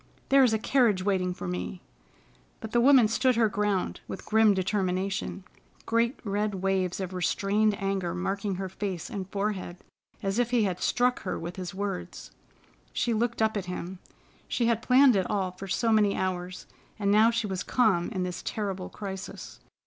There is a carriage waiting for me." But the woman stood her ground, with grim determination, great red waves of restrained anger marking her face and forehead, as if he had struck her with his words. She looked up at him. She had planned it all for so many hours, and now she was calm in this terrible crisis.